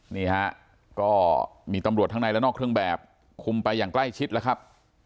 นี่ฮะก็มีตำรวจทั้งในและนอกเครื่องแบบคุมไปอย่างใกล้ชิดแล้วครับ